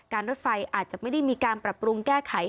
รถไฟอาจจะไม่ได้มีการปรับปรุงแก้ไข